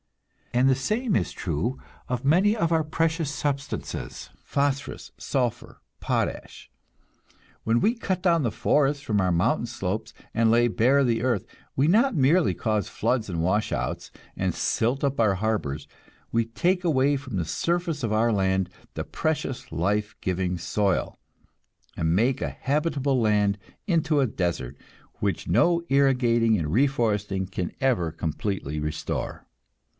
And the same is true of many of our precious substances: phosphorus, sulphur, potash. When we cut down the forests from our mountain slopes, and lay bare the earth, we not merely cause floods and washouts, and silt up our harbors, we take away from the surface of our land the precious life giving soil, and make a habitable land into a desert, which no irrigating and reforesting can ever completely restore.